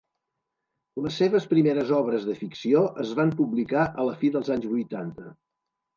Les seves primeres obres de ficció es van publicar a la fi dels anys vuitanta.